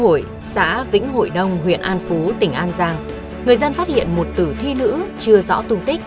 hội xã vĩnh hội đông huyện an phú tỉnh an giang người dân phát hiện một tử thi nữ chưa rõ tung tích